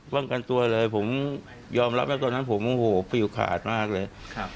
บ้างกันตัวเลยผมยอมรับให้ตัวนั้นผมก็ห่วงคาดมากเลย